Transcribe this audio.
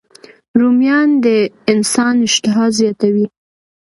رومیان د انسان اشتها زیاتوي